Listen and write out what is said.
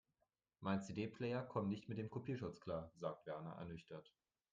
Mein CD-Player kommt nicht mit dem Kopierschutz klar, sagt Werner ernüchtert.